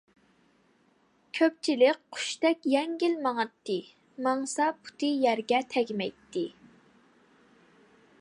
كۆپچىلىك قۇشتەك يەڭگىل ماڭاتتى، ماڭسا پۇتى يەرگە تەگمەيتتى.